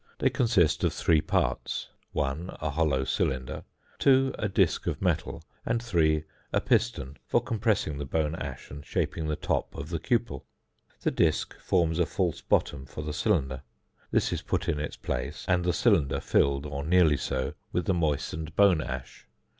They consist of three parts (1) a hollow cylinder; (2) a disc of metal; and (3) a piston for compressing the bone ash and shaping the top of the cupel. The disc forms a false bottom for the cylinder. This is put in its place, and the cylinder filled (or nearly so) with the moistened bone ash.